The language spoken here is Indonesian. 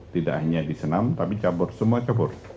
tidak hanya di senam tapi cabur semua cabur